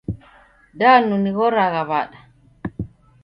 Danu nighoragha wada?